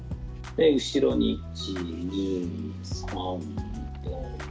後ろに１、２、３、４、５。